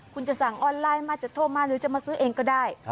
คุณจะสั่งออนไลน์มาจะโทรมาหรือจะมาซื้อเองก็ได้